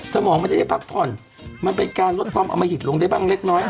สมองมันจะได้พักผ่อนมันเป็นการลดความอมหิตลงได้บ้างเล็กน้อย